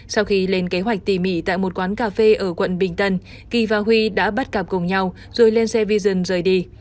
sau khi lên kế hoạch tỉ mỉ tại một quán cà phê ở quận bình tân kỳ và huy đã bắt cặp cùng nhau rồi lên xe vision rời đi